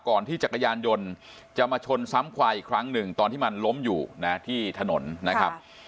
ที่จักรยานยนต์จะมาชนซ้ำควายอีกครั้งหนึ่งตอนที่มันล้มอยู่นะที่ถนนนะครับ